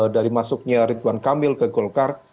dari masuknya ridwan kamil ke golkar